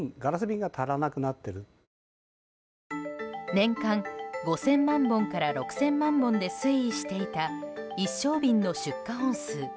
年間５０００万本から６０００万本で推移していた一升瓶の出荷本数。